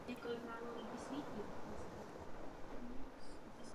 Jednání sama o sobě představují pozitivní věc.